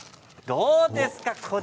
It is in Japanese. どうですか。